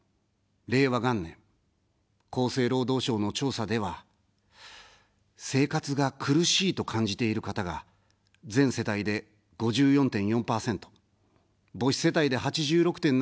令和元年、厚生労働省の調査では生活が苦しいと感じている方が、全世帯で５４．４％、母子世帯で８６．７％。